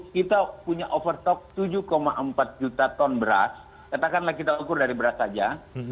kita punya overtok tujuh empat juta ton beras katakanlah kita ukur dari beras saja